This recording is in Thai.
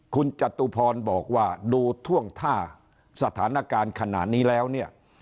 คุณจตุพรบอกว่าดูท่วงท่าสถานการณ์ขนาดนี้แล้วเนี่ย